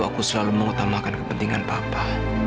aku selalu mengutamakan kepentingan papa